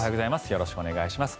よろしくお願いします。